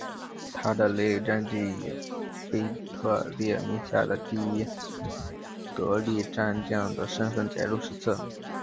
他的累累战绩以腓特烈麾下第一得力战将的身份载入史册。